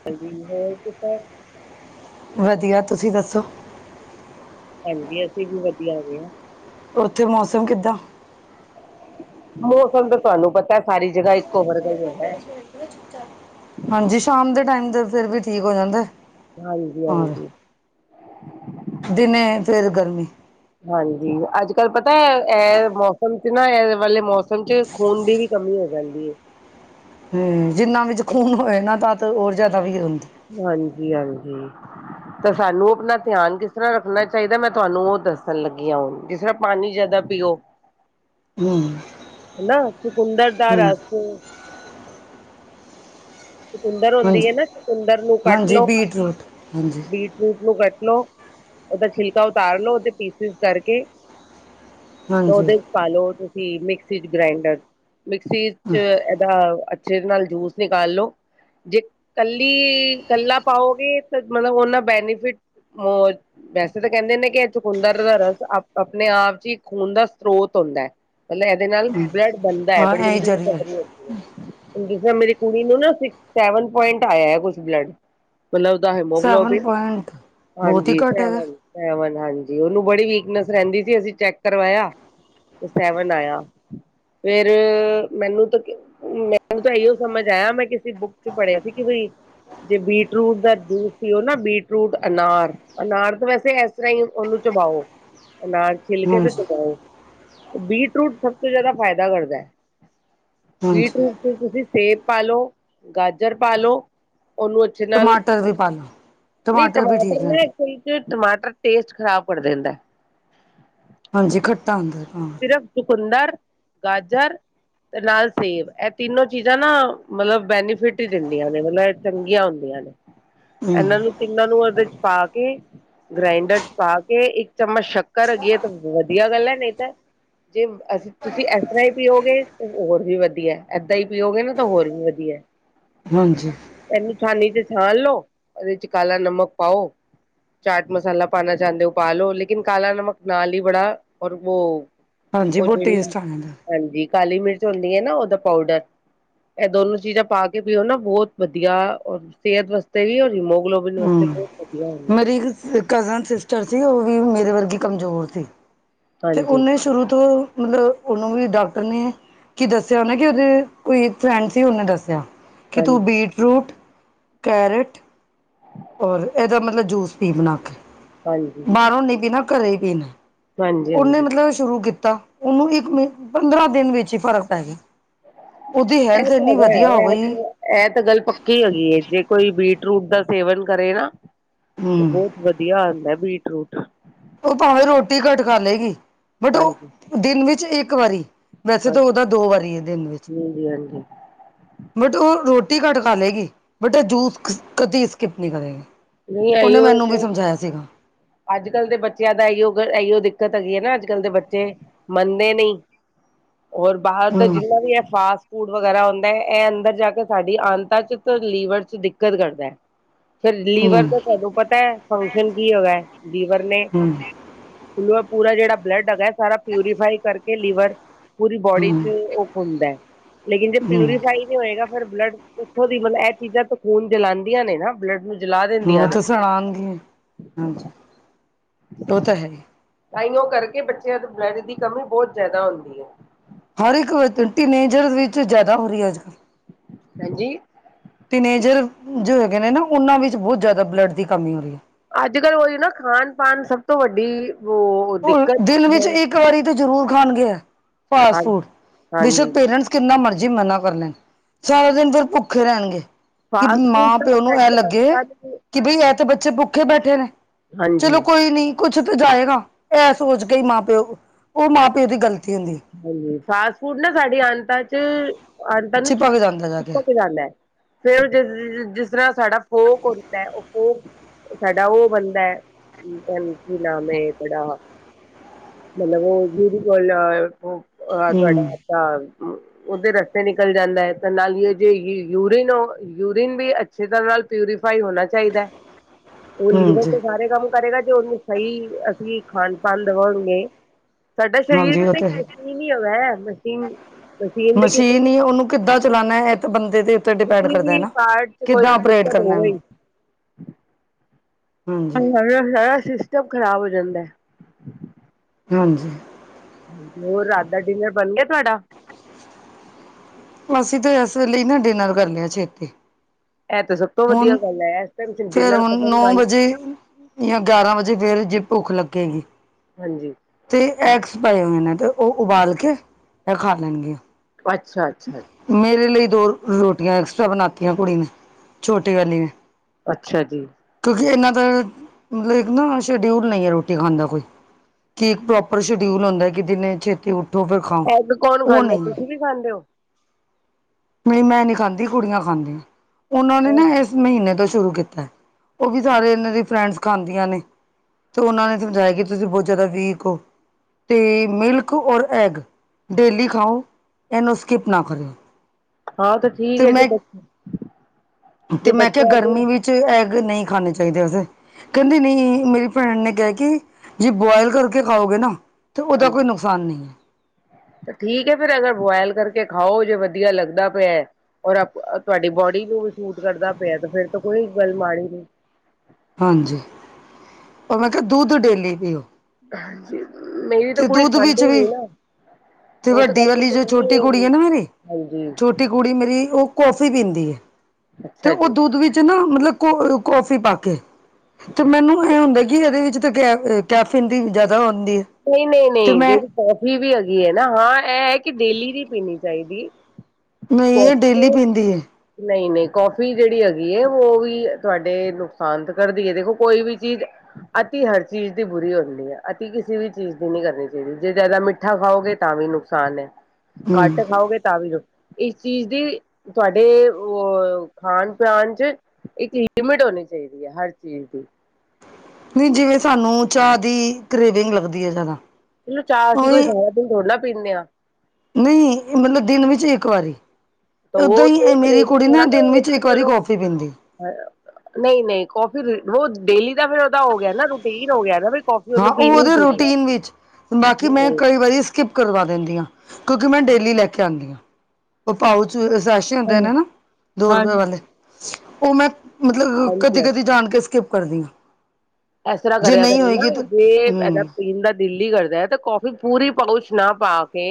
[unintelligible] ਵਧੀਆ, ਤੁਸੀਂ ਦੱਸੋ? ਹਾਂਜੀ, ਅਸੀਂ ਵੀ ਵਧੀਆ ਹੈਗੇ ਆਂ। ਓਥੇ ਮੋਸਮ ਕਿੱਦਾਂ? ਮੋਸਮ ਤਾਂ, ਤੁਹਾਨੂੰ ਪਤਾ ਸਾਰੀ ਜਗਾ ਇੱਕੋ ਵਰਗਾ ਈ ਹੋਦੈ। ਹਾਂਜੀ, ਸ਼ਾਮ ਦੇ ਟੈਮ ਦੇ ਦਾ ਫਿਰ ਵੀ ਠੀਕ ਹੋ ਜਾਂਦਾ ਐ। ਹਾਂਜੀ, ਹਾਂਜੀ। ਦਿਨੇ ਫੇਰ ਗਰਮੀ। ਹਾਂਜੀ। ਅੱਜ-ਕੱਲ੍ਹ ਪਤਾ, ਇਹ ਮੌਸਮ ਚ ਨਾ, ਇਹ ਵਾਲੇ ਮੌਸਮ ਚ ਖੂਨ ਦੀ ਵੀ ਕਮੀ ਹੋ ਜਾਂਦੀ ਐ। ਹੂੰ। ਜਿੰਨਾ ਵਿੱਚ ਖੂਨ ਹੋਇਆ ਨਾ। ਤਾਂ ਹੋਰ ਜ਼ਿਆਦਾ ਵੀ ਹੁੰਦੀ। ਹਾਂਜੀ ਹਾਂਜੀ ਤੇ ਸਾਨੂੰ ਅਪਨਾ ਧਿਆਨ ਕਿਸ ਤਰਾਂ ਰੱਖਨਾ ਚਈਦਾ। ਮੈਂ ਤੁਹਾਨੂੰ ਓ ਦੱਸਨ ਲੱਗੀ ਆ ਹੁਣ। ਜਿਸ ਤਰ੍ਹਾਂ ਪਾਣੀ ਜਾਦਾ ਪੀਓ, ਹਮ ਹਨਾ ਚੂਕੁੰਦਰ ਦਾ ਹਮ ਰਸ ਚੂਕੁੰਦਰ ਹੋਂਦੀ ਹਾਂਜੀ ਏ ਨਾ ਚੂਕੁੰਦਰ ਨੂੰ ਕੱਟ ਹਾਂਜੀ ਲਓ, ਬੀਟਰੂਟ ਹਾਂਜੀ ਬੀਟ ਰੂਟ ਨੂੰ ਕੱਟ ਲੋ, ਓਦਾ ਛਿਲਕਾ ਉਤਾਰ ਲੋ ਓਦੇ ਪੀਸਿਸ ਕਰਕੇ ਤੇ ਹਾਂਜੀ ਓਦੇ ਚ ਪਾਲੋ ਤੁਸੀਂ, ਮਿਕਸੀ ਚ ਗਰਾਇੰਡਰ ਮਿਕਸੀ ਚ ਹਾਂ, ਏਦਾ [unintelligible] ਨਾਲ ਜੂਸ ਨਿਕਾਲ ਲੋ ਜੇ ਕੱਲੀ, ਕੱਲਾ ਪਾਓਗੇ ਤੇ ਮਤਲਬ ਓਨਾਂ ਬੈਨੀਫਿਟ ਵੈਸੇ ਤਾਂ ਕੈਂਦੇ ਨੇ ਕੇ ਐ ਚੁਕੁੰਦਰ ਦਾ ਰਸ ਅਪ ਆਪਨੇ, ਆਪ ਚ ਈ ਖੂਨ ਦਾ ਸ੍ਰੋਤ ਹੋਂਦੈ [unintelligible] ਐਦੇ ਨਾਲ ਬਲੱਡ ਬਨਦਾ ਐ, ਹਾਂ ਬੜੀ ਇਹੀ ਜਲਦੀ ਜਰੀਆ ਰੀਕਵਰੀ ਹੋਂਦੀ ਏ [unintelligible] ਮੇਰੀ ਕੂੜੀ ਨੂ ਨਾ ਸੈਵਨ ਪੋਈਂਟ ਆਯਾ ਏ ਕੁਛ ਬਲੱਡ। ਮਤਲਬ ਓਦਾ ਸੈਵਨ ਹੈਮੋਗਲੋਬੀਨ, ਪੁਆਇੰਟ ਬਹੁਤ ਹੀ ਹਾਂਜੀ। ਘੱਟ ਹੈਗਾ ਸੈਵਨ ਹਾਂਜੀ, ਓਨੂੰ ਬੜੀ ਵੀਕਨੈਸ ਰੈਂਦੀ ਸੀ ਅਸੀ ਚੈੱਕ ਕਰਵਾਇਆ ਤੇ ਸੈਵਨ ਆਯਾ ਫੇਰ, ਮੈਨੂੰ ਤੇ ਕ ਮੈਨੂੰ ਤੇ ਐਈਓ ਸਮਜ ਆਯਾ ਮੈਂ ਕਿਸੀ ਬੁੱਕ ਪੜੇਆ ਸੀ ਕੇ ਬਈ, ਜੇ ਬੀਟਰੂਟ ਦਾ ਜੂਸ ਪੀਓ ਨਾ ਬੀਟਰੂਟ ਅਨਾਰ ਅਨਾਰ ਤੇ ਵੈਸੇ ਐਸ ਤਰਾ ਈ ਅ, ਓਨੂੰ ਚਬਾਓ ਅਨਾਰ ਛਿਲਕੇ ਤੇ ਹਾਂਜੀ ਚਬਾਓ, ਬੀਟ ਰੂਟ ਸਭ ਤੋਂ ਜਾਦਾ ਫਾਏਦਾ ਕਰਦੈ ਹਾਂਜੀ ਬੀਟਰੂਟ ਚ ਤੁਸੀ ਸੇਬ ਪਾਲੋ ਗਾਜਰ ਪਾਲੋ ਓਨੂੰ ਤੇ ਨਾਲ, ਟਮਾਟਰ ਵੀ ਪਾ ਲਓ ਨਈ ਵੀ ਟਮਾਟਰ ਠੀਕ ਰਹਿੰਦਾ ਨਈ ਟਮਾਟਰ ਟੇਸਟ ਖ਼ਰਾਬ ਕਰ ਦੇਂਦੈ ਹਾਂਜੀ, ਖੱਟਾ ਹੁੰਦਾ ਏ ਹਾਂ। ਸਿਰਫ਼ ਚੁਕੰਦਰ ਗਾਜਰ ਤੇ ਨਾਲ ਸੇਬ ਐ ਤਿੰਨੋ ਚੀਜ਼ਾਂ ਨਾ, ਮਤਲਬ ਬੈਨੀਫਿਟ ਈ ਦਿੰਦੀਆਂ ਨੇ ਮਤਲਬ ਐ ਚੰਗੀਆਂ ਹੁੰਦੀਆਂ ਨੇ। ਹਮ, ਐਨਾਂ ਨੂੰ ਤਿੰਨਾਂ ਨੂੰ ਓਹਦੇ ਚ ਪਾ ਕੇ, ਗ੍ਰੈਂਡਰ ਚ ਪਾ ਕੇ ਇੱਕ ਚਮਚ ਸ਼ੱਕ [unintelligible] ਤਾਂ ਵਧੀਆ ਗੱਲ ਏ, ਨਈ ਤਾਂ ਜੇ ਮ ਅਸੀ ਤੁਸੀ ਐਸ ਤਰਾਂ ਈ ਪੀਓਗੇ, ਤੇ ਹੋਰ ਵੀ ਵਧੀਐ ਏਦਾਂ ਈ ਪੀਓਗੇ ਨਾ ਤਾਂ ਹੋਰ ਵੀ ਵਧੀਐ। ਹਾਂਜੀ। ਐਨੂੰ ਛਾਂਨੀ ਚ ਛਾਣ ਲੋ, ਓਦੇ ਚ ਕਾਲਾ ਨਮਕ ਪਾਓ ਚਾਟ ਮਸਾਲਾ ਪਾਨਾ ਚਾਂਦੇ ਓ ਪਾਲੋ, ਲੇਕੀਨ ਕਾਲਾ ਨਮਕ ਨਾਲ ਈ ਬੜਾ ਔਰ ਵੋ ਹਾਂਜੀ ਓ ਬਹੁਤ ਜੇੜੀ ਟੇਸਟ ਆ ਜਾਂਦਾ ਹਾਂਜੀ, ਕਾਲੀ ਮਿਰਚ ਹੋਂਦੀ ਏ ਨਾ ਓਦਾ ਪਾਊਡਰ। ਐ ਦੋਨੋ ਚੀਜ਼ਾਂ ਪਾ ਕੇ ਫਿਰ ਓ ਨਾ ਬੋਤ ਵਧੀਆ, ਅ ਸਿਹਤ ਵਾਸਤੇ ਵੀ ਔਰ ਹੀਮੋਗਲੋ ਹੂੰ। ਕਜ਼ਨ ਸਿਸਟਰ ਸੀ ਓਵੀ ਮੇਰੇ ਵਰਗੀ ਕਮਜੋਰ ਸੀ, ਤੇ ਹਾਂਜੀ ਓਨੇ ਸ਼ੁਰੂ ਤੋ ਮਲਬ ਓਨੂੰ ਵੀ ਡਾਕਟਰ ਨੇ ਕੀ ਦੱਸੇਆ ਓਨੇ ਕਿ [unintelligible] ਕੋਈ ਫ੍ਰੈਂਡ ਸੀ ਓਨੇ ਦੱਸੇਆ ਕਿਤੂ ਹਾਂਜੀ ਬੀਟ ਰੂਟ ਕੈਰੇਟ ਹਾਂ ਔਰ ਇਹਦਾ ਮਤਲਬ ਜੂਸ ਪੀ ਬਣਾ ਕੇ ਹਾਂਜੀ ਬਾਹਰੋਂ ਨਹੀਂ ਪੀਣਾ ਘਰੇ ਹੀ ਪੀਣਾ। ਹਾਂਜੀ ਉਹਨੇ ਹਾਂਜੀ ਮਤਲਬ ਸ਼ੁਰੂ ਕੀਤਾ ਉਹਨੂੰ ਇੱਕ ਮ ਪੰਦਰਾਂ ਦਿਨ ਵਿੱਚ ਹੀ ਫ਼ਰਕ ਪੈ ਗਿਆ। ਉਹਦੀ ਇਹ ਹੈਲਥ ਤਾਂ ਇੰਨੀ ਹੈਗਾ ਵਧੀਆ ਹੋ ਹੈ ਇਹ ਤਾਂ ਗਈ ਇਹ ਤਾਂ ਗੱਲ ਪੱਕੀ ਹੈਗੀ ਏ ਜੇ ਕੋਈ ਬੀਟ ਰੂਟ ਦਾ ਸੇਵਨ ਕਰੇ ਨਾ ਤੇ ਹੂੰ ਬਹੁਤ ਵਧੀਆ ਆਂਦੈ ਬੀਟ ਰੂਟ ਉਹ ਭਾਵੇਂ ਰੋਟੀ ਘੱਟ ਖਾਲੇਗੀ ਬਟ ਉਹ ਹਾਂਜੀ ਦਿਨ ਵਿੱਚ ਇੱਕ ਵਾਰੀ ਹਾਂਜੀ ਵੈਸੇ ਤਾਂ ਉਹਦਾ ਦੋ ਵਾਰੀ ਹੈ ਦਿਨ ਵਿੱਚ ਹਾਂਜੀ ਹਾਂਜੀ [unintelligible] ਬਟ ਉਹ ਰੋਟੀ ਘੱਟ ਖਾਲੇਗੀ ਬਟ ਇਹ ਜੂਸ ਕਦੀ ਸਕਿਪ ਨਹੀਂ ਕਰੇਗੀ ਨਹੀਂ ਉਹਨੇ ਇਹੀਓ ਮੈਨੂੰ ਵੀ ਸਮਝਾਇਆ ਸੀਗਾ ਅੱਜ ਕੱਲ੍ਹ ਦੇ ਬੱਚਿਆਂ ਦਾ ਇਓ ਇਓ ਦਿੱਕਤ ਹੈਗੀ ਹੈ ਨਾ ਅੱਜ ਕੱਲ ਦੇ ਬੱਚੇ ਮੰਨਦੇ ਨਹੀਂ ਹੋਰ ਬਾਹਰ ਦਾ ਹਮ ਜਿੰਨਾ ਵੀ ਹੈ ਫਾਸ ਫੂਡ ਵਗੈਰਾ ਆਉਂਦਾ ਹੈ ਇਹ ਅੰਦਰ ਜਾ ਕੇ ਸਾਡੀ ਅੰਤਾਂ 'ਚ ਤੇ ਲੀਵਰ 'ਚ ਦਿੱਕਤ ਕਰਦਾ। ਫਿਰ ਲੀਵਰ ਹਮ ਦਾ ਤੁਹਾਨੂੰ ਪਤਾ ਹੈ ਫੰਕਸ਼ਨ ਕੀ ਹੋਗਾ ਲੀਵਰ ਨੇ ਹਮ ਪੂਰਾ ਜਿਹੜਾ ਬਲੱਡ ਹੈਗਾ ਸਾਰਾ ਪਿਊਰੀਫਾਈ ਕਰਕੇ ਲੀਵਰ ਪੂਰੀ ਬੋਡੀ 'ਚ ਹਮ ਉਹ ਹੁੰਦਾ ਲੇਕਿਨ ਜੇ ਹਮ ਪਿਊਰੀਫਾਈ ਹੋਏਗਾ ਫ਼ਿਰ ਬਲੱਡ ਇੱਥੋਂ ਦੀ ਮਤਲਬ ਇਹ ਚੀਜ਼ਾਂ ਤੇ ਖੂਨ ਜਲਾਂਦੀਆਂ ਨੇ ਨਾ। ਬਲੱਡ ਨੂੰ ਜਲਾ ਦੇ ਹ ਤੇ ਸੁਣਾਣਦੀਆ ਹਾਂਜੀ। ਉਹ ਤੇ ਹੈ। ਤਾਂਓ ਕਰਕੇ ਬੱਚਿਆਂ ਦੇ ਬਲੱਡ ਦੀ ਕਮੀ ਬਹੁਤ ਜਿਆਦਾ ਹੁੰਦੀ ਏ। ਹਰ ਇੱਕ ਟੀਨੇਜਰ ਵਿੱਚ ਜ਼ਿਆਦਾ ਹੋ ਰਹੀ ਹੈ ਅੱਜ ਕੱਲ੍ਹ ਹਾਂਜੀ ਟੀਨੇਜਰ ਜੋ ਹੈਗੇ ਨੇ ਨਾ ਉਹਨਾਂ ਵਿੱਚ ਬਹੁਤ ਜ਼ਿਆਦਾ ਬਲੱਡ ਦੀ ਕਮੀ ਹੋ ਰਹੀ ਹੈ। ਅੱਜ ਕੱਲ੍ਹ ਉਹੀ ਨਾ ਖਾਣ ਪਾਨ ਸਭ ਤੋਂ ਵੱਡੀ ਵੋ ਉਹ ਦਿਨ ਵਿੱਚ ਇੱਕ ਵਾਰੀ ਤੇ ਜ਼ਰੂਰ ਖਾਣਗੇ ਹਾਂ ਫਾਸਟ ਫੂਡ ਹਾਂਜੀ ਬੇਸ਼ੱਕ ਪੇਰੈਂਟਸ ਕਿੰਨਾ ਮਰਜ਼ੀ ਮਨਾ ਕਰ ਲੈਣ ਸਾਰਾ ਦਿਨ ਫਿਰ ਭੁੱਖੇ ਰਹਿਣਗੇ। ਕਿ ਫਾਸਟ ਫੂਡ ਮਾਂ ਨਾ ਪਿਓ ਨੂੰ ਇਹ ਸਾਡੀ ਲੱਗੇ। ਅੰਤਾਂ ਨੂੰ ਕਿ ਬਈ ਇਹ ਤਾਂ ਬੱਚੇ ਭੁੱਖੇ ਬੈਠੇ ਨੇ ਹਾਂਜੀ ਚਲੋ ਕੋਈ ਨਹੀਂ ਕੁਛ ਤਾਂ ਜਾਏਗਾ। ਇਹ ਸੋਚ ਕੇ ਹੀ ਮਾਂ ਪਿਓ ਉਹ ਮਾਂ ਪਿਓ ਦੀ ਗ਼ਲਤੀ ਹੁੰਦੀ। ਹਾਂਜੀ ਫਾਸਟ ਫੂਡ ਨਾ ਸਾਡੀੇ ਅੰਤਾਂ 'ਚ ਅੰਤਾਂ ਨੂੰ ਛਿਪਕ ਜਾਂਦਾ ਜਾ ਕੇ ਚੁਪਕ ਜਾਂਦਾ। ਫੇਰ ਜਿਸ ਜਿਸ ਤਰ੍ਹਾਂ ਸਾਡਾ ਫੋਕ ਹੁੰਦਾ ਹੈ ਉਹ ਫੋਕ ਸਾਡਾ ਉਹ ਬਣਦਾ ਹੈ ਪਤਾ ਨੀ ਕੀ ਨਾਮ ਏ ਬੜਾ ਮਤਲਬ ਹਮ [unintelligible] ਉਹਦੇ ਰਸਤੇ ਨਿਕਲ ਜਾਂਦਾ ਹੈ ਤੇ ਨਾਲ ਜੇ ਯੂਰੀਿਨ ਯੂਰੀਨ ਵੀ ਅੱਛੇ ਤਰ੍ਹਾਂ ਨਾਲ ਪਿਊਰੀਫਾਈ ਹੋਣਾ ਚਾਹੀਦਾ ਹੈ ਉਹ ਹਮ ਲੀਵਰ ਜੀ ਤੋਂ ਸਾਰੇ ਕੰਮ ਕਰੇਗਾ ਜੇ ਉਹਨੂੰ ਸਹੀ ਅਸੀਂ ਖਾਣ ਪਾਨ ਦਵਾਂਗੇ ਸਾਡਾ ਸਰੀਰ ਹਾਂਜੀ ਉਹ ਵੀ ਤੇ ਹੈ ਮਸ਼ੀਨ ਹੀ ਹਵੇ ਮਸ਼ੀਨ ਦੇ ਕਿਸੇ ਮਸ਼ੀਨ ਵੀ ਉਹਨੂੰ ਕਿੱਦਾਂ ਚਲਾਂਣਾ ਇਹ ਬੰਦੇ ਦੇ ਉੱਤੇ ਡਿਪੈਂਡ ਕਿਸੀ ਕਰਦਾ ਹੈ ਨਾ। ਕਿੱਦਾਂ ਅਪਰੇਟ ਕਰਨਾ ਉਹਨੂੰ ਹਾਂ ਹਾਂਜੀ [unintelligible] ਸਾਰਾ ਸਿਸਟਮ ਖ਼ਰਾਬ ਹੋ ਜਾਂਦਾ। ਹਾਂਜੀ ਹੋਰ ਰਾਤ ਦਾ ਡਿਨਰ ਬਣ ਗਿਆ ਤੁਹਾਡਾ ਅਸੀਂ ਤਾਂ ਇਸ ਲਈ ਨਾ ਡਿਨਰ ਕਰਨੇ ਆਂ ਛੇਤੀ ਇਹ ਤਾਂ ਸਭ ਤੋਂ ਵਧੀਆ ਹੁਣ ਗੱਲ ਹੈ ਇਸ ਟਾਇਮ ਫੇਰ ਡਿਨਰ ਹੁਣ ਕਰਨ ਨੌ ਵਾਲੀ ਵਜੇ ਗਿਆਰਾਂ ਵਜੇ ਫੇਰ ਜੇ ਭੁੱਖ ਲੱਗੇਗੀ। ਹਾਂਜੀ ਤੇ ਐਗਸ ਪਏ ਹੋਏ ਨੇ ਤੇ ਉਹ ਉਬਾਲ ਕੇ ਇਹ ਖਾ ਲੈਣਗੇ। ਅੱਛਾ -ਅੱਛਾ। ਮੇਰੇ ਲਈ ਦੋ ਰੋਟੀਆਂ, ਐਕਸਟਰਾ ਬਣਾਤੀਆਂ ਕੁੜੀ ਨੇ, ਛੋਟੀ ਵਾਲੀ ਨੇ। ਅੱਛਾ ਜੀ। ਕਿਉਂਕਿ ਇੰਨਾਂ ਦਾ ਮਤਲਬ ਇੱਕ ਨਾ ਸ਼ਡਿਊਲ ਨਹੀਂ ਹੈ ਰੋਟੀ ਖਾਣ ਦਾ ਕੋਈ ਕਿ ਇੱਕ ਪ੍ਰੋਪਰ ਸ਼ਡਿਊਲ ਹੁੰਦਾ ਹੈ ਕਿ ਦਿਨੇ ਛੇਤੀ ਉਠੋ ਫਿਰ ਖਾਓ ਐਗ ਕੌਣ ਉਹ ਖਾਂਦਾ ਨਹੀਂ ਤੁਸੀਂ ਵੀ ਖਾਂਦੇ ਹੋ। ਨਹੀਂ ਮੈਂ ਨੀ ਖਾਂਦੀ ਕੁੜੀਆਂ ਖਾਂਦੀਆਂ ਉਹਨਾਂ ਨੇ ਨਾ ਹੋ ਇਸ ਮਹੀਨੇ ਤੋਂ ਸ਼ੁਰੂ ਕੀਤਾ ਉਹ ਵੀ ਸਾਰੇ ਇਹਨਾਂ ਦੀ ਫਰੈਂਡਸ ਖਾਂਦੀਆਂ ਨੇ। ਤੇ ਉਹਨਾਂ ਨੇ ਸਮਝਾਇਆ ਕਿ ਤੁਸੀਂ ਬਹੁਤ ਜ਼ਿਆਦਾ ਵੀਕ ਹੋ। ਅਤੇ ਮਿਲਕ ਔਰ ਐਗ ਡੇਲੀ ਖਾਓ ਇਹਨੂੰ ਸਕਿੱਪ ਨਾ ਕਰਿਓ। ਹਾਂ ਤੇ ਠੀਕ ਹੈ ਜੇ ਬ ਤੇ ਮੈਂ ਕਿਹਾ ਗਰਮੀ ਵਿੱਚ ਐਗ ਨਹੀਂ ਖਾਣੇ ਚਾਹੀਦੇ ਐ ਜ ਕਹਿੰਦੀ ਨਹੀਂ, ਮੇਰੀ ਭੈਣ ਨੇ ਕਿਹਾ, ਕਿ ਜੇ ਬੁਆਇਲ ਕਰਕੇ ਖਾਓਗੇ ਨਾ। ਤੇ, ਉਹਦਾ ਕੋਈ ਨੁਕਸਾਨ ਨਹੀਂ ਹੈ। ਠੀਕਹੈ ਫਿਰ ਅਗਰ ਬੁਆਇਲ ਕਰਕੇ ਖਾਓ, ਜੇ ਵਧੀਆ ਲੱਗਦਾ ਪਿਆ। ਔਰ ਤੁਹਾਡੀ ਬੋਡੀ ਨੂੰ ਵੀ ਸੂਟ ਕਰਦਾ ਪਿਆ, ਤੇ ਫੇਰ ਤਾਂ ਕੋਈ ਗੱਲ ਮਾੜੀ ਨਹੀਂ। ਹਾਂਜੀ, ਉਹ ਮੈਂ ਕਿਹਾ, ਦੁੱਧ ਡੇਲੀ ਪੀਓ। ਹਾਂਜੀ, ਮੇਰੀ ਤਾਂ ਤੇ ਕੁੜੀ ਦੁੱਧ ਵਿੱਚ ਖਾਂਦੀ ਵੀ ਨਹੀਂ ਨਾ। ਤੇ ਉਹ ਤਾਂ ਵੱਡੀ ਕਹਿੰਦੀ ਵਾਲੀ ਕਿ ਜੋ, ਮੰਮੀ ਛੋਟੀ ਇਹ ਕੁੜੀ ਹੈ ਨੀ। ਨਾ, ਮੇਰੀ ਛੋਟੀ ਹਾਂਜੀ ਛੋਟੀ ਕੁੜੀ ਮੇਰੀ, ਉਹ ਕੌਫੀ ਪੀਂਦੀ ਹੈ, ਤੇ ਅੱਛਾ ਉਹ ਜੀ। ਦੁੱਧ ਵਿੱਚ ਨਾ ਮਤਲਬ, ਕੋ ਕੌਫੀ ਪਾ ਕੇ ਤੇ ਮੈਨੂੰ ਇਹ ਹੁੰਦਾ ਕਿ ਇਹਦੇ ਵਿੱਚ ਅਤੇ, ਕੈ ਕੈਫੀਨ ਜ਼ਿਆਦਾ ਹੁੰਦੀ ਹੈ। ਨਹੀਂ- ਨਹੀਂ, ਤੇ ਨਹੀਂ ਮੈਂ ਜਿਹੜੀ ਕਾਫੀ ਵੀ ਹੈਗੀ ਹੈ ਨਾ, ਹਾਂ ਇਹ ਹੈ ਕਿ ਡੇਲੀ ਨਹੀਂ ਪੀਣੀ ਚਾਹੀਦੀ। [unintelligible] ਨਹੀਂ ਇਹ ਡੇਲੀ ਪੀਂਦੀ ਹੈ ਨਹੀਂ- ਨਹੀਂ, ਕੌਫੀ ਜਿਹੜੀ ਹੈਗੀ ਹੈ, ਉਹ ਵੀ ਤੁਹਾਡੇ ਨੁਕਸਾਨ ਤਾਂ ਕਰਦੀ ਹੈ, ਦੇਖੋ ਕੋਈ ਵੀ ਚੀਜ਼ ਅਤੀ, ਹਰ ਚੀਜ਼ ਦੀ ਬੁਰੀ ਹੁੰਦੀ ਹੈ, ਅਤੀ ਕਿਸੇ ਵੀ ਚੀਜ਼ ਦੀ ਨਹੀਂ ਕਰਨੀ ਚਾਹੀਦੀ, ਜੇ ਜ਼ਿਆਦਾ ਮਿੱਠਾ ਖਾਓਗੇ, ਤਾਂ ਵੀ ਨੁਕਸਾਨ ਹੈ, ਹੂੰ ਘੱਟ ਖਾਓਗੇ ਤਾਂ ਵੀ ਨੁਕਸਾਨ। ਇਸ ਚੀਜ਼ ਦੀ, ਤੁਹਾਡੇ ਅ ਖਾਣ ਪਾਣ ਚ ਇੱਕ ਲਿਮਿਟ ਹੋਣੀ ਚਾਹੀਦੀ ਹੈ, ਹਰ ਚੀਜ਼ ਦੀ। ਨਹੀਂ, ਜਿਵੇਂ ਸਾਨੂੰ ਚਾਹ ਦੀ ਕਰੇਵਿੰਗ ਲੱਗਦੀ ਹੈ, ਜ਼ਿਆਦਾ ਚਲੋ ਚਾਹ, ਅਸੀਂ ਕੋਈ ਉਹੀ ਸਾਰਾ ਦਿਨ ਥੋੜਾ ਪੀਂਦੇ ਹਾਂ। ਨਹੀਂ ਮਤਲਬ, ਦਿਨ ਵਿੱਚ ਇੱਕ ਵਾਰੀ। ਤਾਂ ਓਦਾਂ ਉਹ ਹੀ ਮੇਰੀ ਕਰੇਵਿੰਗ ਕੁੜੀ ਨਾ, ਥੋੜਾ ਦਿਨ ਹੋਏ ਵਿੱਚ ਕਿ ਇੱਕ ਵਾਰੀ ਚਲੋ ਕੌਫੀ ਪੀਂਦੀ। ਨਹੀਂ- ਨਹੀਂ, ਕੌਫੀ ਉਹ ਡੇਲੀ ਦਾ ਫਿਰ ਉਹਦਾ ਹੋ ਗਿਆ, ਨਾ ਰੂਟੀਨ ਹੋ ਗਿਆ ਨਾ ਕੌਫੀ ਹਾਂ ਉਹਨੂੰ ਉਹ ਪੀਣੀ ਹੀ ਉਹਦੇ ਪੀਣੀ ਰੂਟੀਨ ਵਿੱਚ, ਬਾਕੀ ਮੈਂ ਕਈ ਵਾਰੀ ਸਕਿਪ ਕਰਵਾ ਦਿੰਦੀ ਹਾਂ, ਕਿਉਂਕਿ ਮੈਂ ਡੇਲੀ ਲੈ ਕੇ ਆਉਂਦੀ ਹਾਂ, ਉਹ ਪਾਊਚ, ਸੈਸ਼ੇ ਹੁੰਦੇ ਨੇ ਦੋ ਰੁਪਏ ਹਾਂਜੀ-ਹਾਂਜੀ ਵਾਲੇ ਉਹ ਮੈਂ ਮਤਲਬ ਕਦੀ- ਕਦੀ ਜਾਣ ਕੇ ਕਰਦੀ ਆਂ। ਇਸ ਤਰ੍ਹਾਂ, ਕਰਿਆ ਕਰੋ ਨਾ ਜੇ ਇਹਦਾ ਹਮ ਜਿਸਜ ਦਾ ਦਿਲ ਈ ਕਰਦਾ ਹੈ, ਤੇ ਕੌਫੀ ਪੂਰੀ ਪਾਊਚ ਨਾ ਪਾ ਕੇ।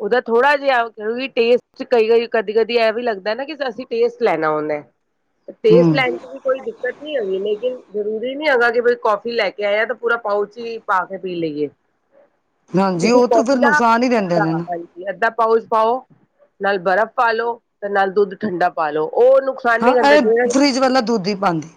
ਉਹਦਾ ਥੋੜਾ ਜਿਹਾ ਟੇਸਟ ਚ ਕਈ ਵਾਰੀ ਕਦੀ -ਕਦੀ ਇਹ ਵੀ ਲੱਗਦਾ ਨਾ ਕਿ ਅਸੀਂ ਟੇਸਟ ਲੈਣਾ ਹੁੰਦਾ। ਟੇਸਟ ਹਮ ਲੈਣ ਚ ਈ ਵੀ ਕੋਈ ਦਿੱਕਤ ਨਹੀਂ ਹੁੰਦੀ ਲੇਕਨ ਜ਼ਰੂਰੀ ਨੀ ਹੈਗਾ, ਜਿਵੇਂ ਕੌਫੀ ਲੈ ਕੇ ਆਇਆ ਤਾਂ ਪੂਰਾ ਪਾਊਚ ਹੀ ਪਾ ਕੇ ਪੀ ਲਈਏ। ਹਾਂਜੀ ਉਹ ਤਾਂ ਫਿਰ ਨੁਕਸਾਨ ਹੀ ਦਿੰਦੇ ਨੇ ਨਾ [unintelligible] ਅੱਧਾ ਪਾਊਚ ਪਾਓ, ਨਾਲ ਬਰਫ਼ ਪਾ ਲਉ ਤੇ ਨਾਲ ਦੁੱਧ ਠੰਡਾ ਪਾ ਲਉ ਉਹਨੂੰ ਹਾਂ ਇਹ ਫਰਿਜ ਵਾਲਾ ਦੁੱਧ ਹੀ ਪਾਉਂਦੀ।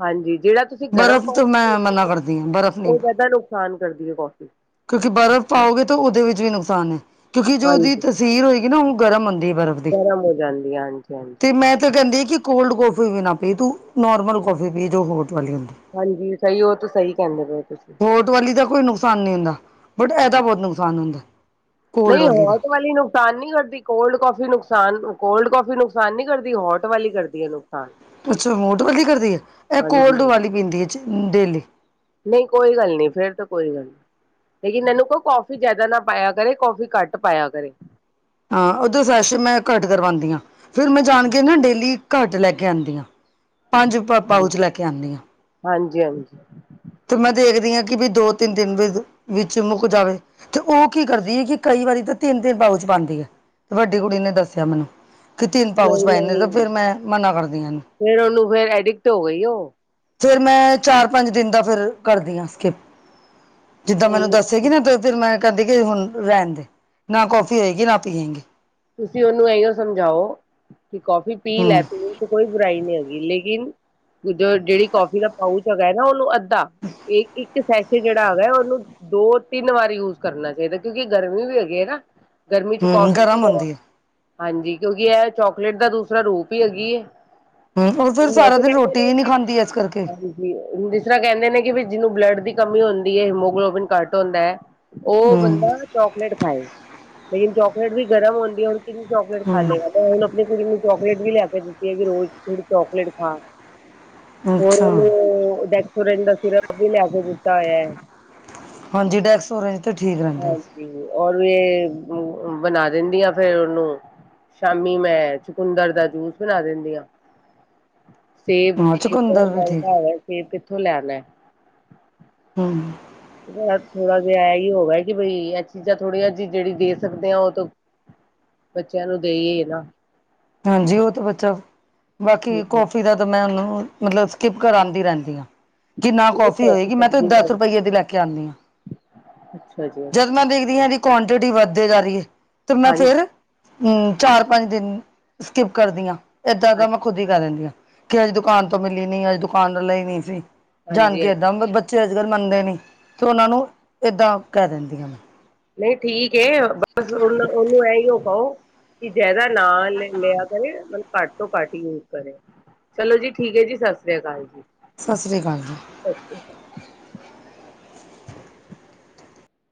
ਹਾਂਜੀ, ਜਿਹੜਾ ਤੁਸੀਂ ਗਰਮ ਬਰਫ਼ ਤਾਂ ਕੋਫੀ ਮੈਂ ਦੇਂਦੇ ਮਨਾ ਹੋ ਨਾ, ਕਰਦੀ ਹਾਂ ਬਰਫ਼ ਹੋ ਨਹੀਂ ਉਹ ਜ਼ਿਆਦਾ ਨੁਕਸਾਨ ਕਰਦੀ ਹੈ ਕੌਫੀ। ਕਿਉਂਕਿ ਬਰਫ਼ ਪਾਓਗੇ ਤਾਂ, ਉਹਦੇ ਵਿੱਚ ਵੀ ਨੁਕਸਾਨ ਹੈ, ਕਿਉਂਕਿ ਜੋ ਉਹਦੀ ਹਾਂਜੀ ਤਾਸੀਰ ਹੋਏਗੀ ਨਾ, ਉਹ ਗਰਮ ਹੁੰਂਦੀ ਹੈ ਬਰਫ਼ ਦੀ, ਗਰਮ ਹੋ ਜਾਂਦੀ ਹੈ ਹਾਂਜੀ ਹਾਂਜੀ ਤੇ ਮੈਂ ਤਾਂ ਕਹਿੰਦੀ ਆ ਕਿ ਕੋਲਡ ਕੋੌਫੀ ਵੀ ਨਾ ਪੀ ਤੂੰ ਨੋਰਮਲ ਕੌਫੀ ਪੀ ਜੋ ਹੋਟ ਵਾਲੀ ਹੁੰਦੀ। ਹਾਂਜੀ, ਸਹੀ ਉਹ ਤੇ ਸਈ ਕਹਿੰਦੇ ਪਏ ਓ ਤੁਸੀਂ। ਹੋਟ ਵਾਲੀ ਦਾ ਕੋਈ ਨੁਕਸਾਨ ਨੀ ਹੁੰਦਾ ਬਟ ਇਹਦਾ ਬਹੁਤ ਨੁਕਸਾਨ ਹੁੰਦਾ। ਕੋਲਡ ਨਈ ਦਾ ਹੋਟ ਵਾਲੀ ਨੂੰ ਨੁਕਸਾਨ ਨੀ ਕਰਦੀ, ਕੋਲਡ ਕੌਫੀ ਨੁਕਸਾਨ ਕੋਲਡ ਕੌਫੀ ਨੁਕਸਾਨ ਨੀ ਕਰਦੀ, ਹੋਟ ਵਾਲੀ ਕਰਦੀ ਹੈ ਨੁਕਸਾਨ। ਅੱਛਾ ਹੋਟ ਵਾਲੀ ਕਰਦੀ ਹੈ ਇਹ ਹਾਂਜੀ ਕੋਲਡ ਵਾਲੀ ਪੀਂਦੀ ਹੈ ਡੇਲੀ। ਨਹੀਂ ਕੋਈ ਗੱਲ ਨਹੀਂ, ਫੇਰ ਤਾਂ ਕੋਈ ਗੱਲ ਨਹੀਂ। ਲੇਕਿਨ ਮੈਨੂੰ ਕਹੋ, ਕੌਫੀ ਜ਼ਿਆਦਾ ਨਾ ਪਾਇਆ ਕਰੇ ਕੌਫੀ ਘੱਟ ਪਾਇਆ ਕਰੇ। ਹਾਂ, ਉਦੋਂ ਸੈਸ਼ਨ ਮੈਂ ਘੱਟ ਕਰਵਾਉਂਦੀ ਹਾਂ, ਫਿਰ ਮੈਂ ਜਾਣ ਕੇ ਨਾ ਡੇਲੀ ਘੱਟ ਲੈ ਕੇ ਆਉਂਦੀਆਂ ਹਾਂਜੀ ਪੰਜਪਾਊਚ ਲੈ ਕੇ ਆਉਂਦੀਆਂ। ਹਾਂਜੀ -ਹਾਂਜੀ। ਤੇ ਮੈਂ ਦੇਖਦੀ ਹਾਂ, ਕਿ ਵੀ ਦੋ ਤਿੰਨ, ਦਿਨ ਵਿੱਚ ਮੁੱਕ ਜਾਵੇ। ਤੇ ਉਹ ਕੀ ਕਰਦੀ ਹੈ, ਕਿ ਕਈ ਵਾਰੀ ਤਾਂ ਤਿੰਨ- ਤਿੰਨ ਪਾਊ ਚ ਪਾਉਂਦੀ ਹੈ ਵੱਡੀ ਕੁੜੀ ਨੇ ਦੱਸਿਆ ਮੈਨੂੰ। ਕਿ ਤਿੰਨ ਪਾਊਚ ਨਹੀਂ ਪਾਏ ਨੇ, ਤੇ ਨਹੀਂ ਫਿਰ ਮੈਂ ਮਨਾ ਕਰਦੀ ਇਹਨੂੰ- ਫੇਰ ਉਹਨੂੰ ਫੇਰ ਐਡਿਕਟ ਹੋ ਗਈ ਉਹ ਫਿਰ ਮੈਂ ਚਾਰ-ਪੰਜ ਦਿਨ ਦਾ ਫਿਰ ਕਰਦੀ ਆ ਸਕਿਪ। ਜਿੱਦਾਂ ਨਹੀਂ ਮੈਨੂੰ ਨਹੀਂ ਦੱਸੇਗੀ ਨਾ ਤੇ ਫਿਰ ਮੈਂ ਕਹਿੰਦੀ ਕਿ ਹੁਣ ਰਹਿਣ ਦੇ ਨਾ ਕੋਫੀ ਹੋਏਗੀ ਨਾ ਪੀਏਂਗੀ। ਤੁਸੀਂ ਉਹਨੂੰ ਐਇਓ ਸਮਝਾਓ ਕਿ ਕੌਫੀ ਪੀ ਲੈ ਹੂੰ ਪੀਨ ਚ ਕੋਈ ਬੁਰਾਈ ਨੀ ਹੈਗੀ ਲੇਕਿਨ ਦ ਜਿਹੜੀ ਕੌਫੀ ਦਾ ਪਾਊਚ ਹੈਗਾ ਹੈ ਨਾ ਉਹਨੂੰ ਅੱਧਾ ਇੱਕ ਸੈਸ਼ੇ ਜਿਹੜਾ ਹੈਗਾ ਉਹਨੂੰ ਦੋ ਤਿੰਨ ਵਾਰ ਯੂਜ ਕਰਨਾ ਚਾਈਦਾ ਕਿਉਂਕਿ ਗਰਮੀ ਵੀ ਹੈਗੀ ਹੈ ਨਾ। ਗਰਮੀ ਚ ਹੂੰ ਕਾਫੀ ਗਰਮ ਹੁੰਦੀ ਏ। ਹਾਂਜੀ, ਕਿਉਂਕਿ ਇਹ ਚੋਕਲੇਟ ਦਾ ਦੂਸਰਾ ਰੂਪ ਈ ਹੈਗੀ ਏ। ਹੂੰ ਉਹ ਫਿਰ ਸਾਰਾ ਦਿਨ ਰੋਟੀ ਵੀ ਨੀ ਖਾਂਦੀ ਇਸ ਕਰਕੇ। ਹਾਂਜੀ ਜਿਸ ਤਰਾਂ ਕਹਿੰਦੇ ਨੇ ਕਿ ਵੀ ਜਿਹਨੂੰ ਬਲੱਡ ਦੀ ਕਮੀ ਹੁੰਦੀ ਐ, ਹੀਮੋਗਲੋਬਿਨ ਘੱਟ ਹੁੰਦਾ ਐ ਉਹ ਹੂੰ ਬੰਦਾ ਚਾਕਲੇਟ ਖਾਏ ਲੇਕਿਨ ਚਾਕਲੇਟ ਵੀ ਗਰਮ ਹੁੰਦੀ ਹੁਨ ਕਿੰਨੀ ਚੋਕਲੇਟ ਖਾ ਹੂੰ ਲੇਗਾ ਨਾ, ਹੁਣ ਅਪਣੀ ਕੁੜੀ ਨੂੰ ਚੋਕਲੇਟ ਵੀ ਲੈ ਕੇ ਦਿੱਤੀ ਐ, ਰੋਜ਼ ਥੋੜੀ ਚੋਕਲੇਟ ਖਾ ਹੋਰ ਅੱਛਾ ਉਹਨੂੰ ਡੈਕਸੋਰੈਨ ਦਾ ਸਿਰਪ ਵੀ ਲਿਆ ਕੇ ਦਿੱਤਾ ਹੋਇਆ ਐ। ਹਾਂਜੀ ਡੈਕਸੋਰੇਂਜ ਤਾਂ ਠੀਕ ਰਹਿੰਦਾ। ਓਰ ਇਹ ਬਣਾ ਦਿੰਦੀ ਆ ਫੇਰ ਉਹਨੂੰ। ਸ਼ਾਮੀ ਮੈਂ ਚਕੁੰਦਰ ਦਾ ਜੂਸ ਬਣਾ ਦਿੰਦੀ ਆ। ਸੇਬ ਹਾਂ ਬੜਾ ਚੁਕੰਦਰ ਵੀ ਠੀਕ ਮਹਿੰਗਾ ਹੈ ਹੋਯਾ, ਸੇਬ ਕਿੱਥੋਂ ਲਿਯਾਨਾ? ਹੂੰ। ਬਸ ਥੋੜਾ ਜਿਆ ਇਹ ਈ ਹੋ ਗਿਆ ਕਿ ਬਈ ਇਹ ਚੀਜ਼ਾਂ ਥੋੜੀਆਂ ਜੀ ਜਿਹੜੀ ਦੇ ਸਕਦੇ ਆ ਉਹ ਤਾਂ ਬੱਚਿਆਂ ਨੂੰ ਦੇਈਏ ਨਾ। ਹਾਂਜੀ, ਉਹ ਤਾਂ ਬੱਚਾ, ਬਾਕੀ ਕੌਫੀ ਦਾ ਤਾਂ ਮੈਂ ਉਹਨੂੰ ਮਤਲਬ ਸਕਿੱਪ ਕਰਾਂਦੀ ਰਹਿੰਦੀ ਆ। ਕਿ ਨਾ ਕੌਫੀ ਹੋਏਗੀ ਮੈਂ ਤੇ ਦਸ ਰੁਪਈਏ ਦੀ ਲੈ ਕੇ ਆਨੀ ਆ ਅੱਛਾ ਜੀ ਜਦ ਅੱਛਾ ਮੈਂ ਦੇਖਦੀ ਦੀ ਇਹਦੀ ਕੁਆਂਟਿਟੀ ਵੱਧਦੇ ਜਾ ਰੀ ਐ, ਤੇ ਮੈਂ ਹਾਂਜੀ ਫੇਰ ਹੂੰ ਚਾਰ ਪੰਜ ਦਿਨ ਸਕਿਪ ਕਰਦੀ ਆਂ, ਏਦਾਂ ਹਾਂਜੀ ਦਾ ਮੈਂ ਖੁੱਦ ਈ ਕਹਿ ਦਿੰਦੀ ਆ ਕਿ ਅੱਜ ਦੁਕਾਨ ਤੋਂ ਮਿਲੀ ਨੀ, ਅੱਜ ਦੁਕਾਨ ਆਲਾ ਈ ਨੀ ਸੀ, ਜਾਣ ਹਾਂਜੀ ਗੇ ਹਾਂਜੀ ਏਦਾਂ ਬੱਚੇ ਅੱਜ ਕੱਲ੍ਹ ਮੰਨਦੇ ਨੀ ਤੇ ਉਹਨਾਂ ਨੂੰ ਏਦਾਂ ਕਹਿ ਦਿੰਦੀ ਆਂ ਮੈਂ। ਨਈ ਠੀਕ ਏ ਬਸ ਉਹਨ ਉਹਨੂੰ ਐਈਓ ਕਓ। ਕਿ ਜ਼ਿਆਦਾ ਨਾ ਲਿਆ ਕਰੇ ਮਤਲਬ ਘੱਟ ਤੋਂ ਘੱਟ ਈ ਯੂਜ ਕਰੇ। ਚਲੋ ਜੀ ਠੀਕ ਐ ਜੀ ਸਸ ਸ੍ਰੀ ਅਕਾਲ ਜੀ। ਸਸ ਸ੍ਰੀ ਕਾਲ ਜੀ। ਓਕੇ।